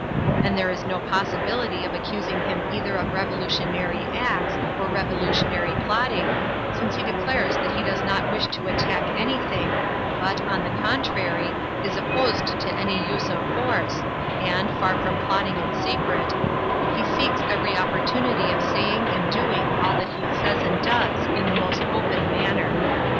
And there is no possibility of accusing him either of revolutionary acts or revolutionary plotting, since he declares that he does not wish to attack anything, but, on the contrary, is opposed to any use of force, and, far from plotting in secret, he seeks every opportunity of saying and doing all that he says and does in the most open manner.